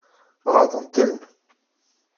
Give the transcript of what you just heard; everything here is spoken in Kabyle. Ɣaḍen-ten?